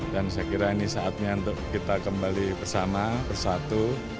dan saya kira ini saatnya untuk kita kembali bersama bersatu